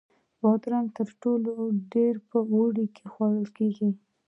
بادرنګ تر ټولو ډېر په اوړي کې خوړل کېږي.